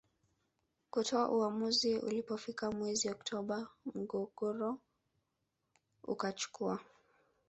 kutoa uamuzi Ulipofika mwezi Oktoba mgogoro ukachukua